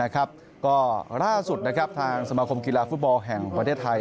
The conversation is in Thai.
ก็ล่าสุดทางสมาคมกีฬาฟุตบอลแห่งประเทศไทย